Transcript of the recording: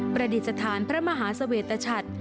ประดิษฐานพระมหาเสวตชัด